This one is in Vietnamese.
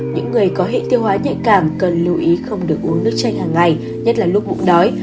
những người có hệ tiêu hóa nhạy cảm cần lưu ý không được uống nước chanh hàng ngày nhất là lúc bụng đói